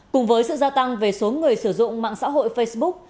cùng với sự gia tăng về số người sử dụng mạng xã hội facebook